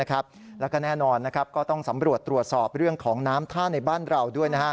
แล้วก็แน่นอนก็ต้องสำรวจตรวจสอบเรื่องของน้ำท่าในบ้านเราด้วย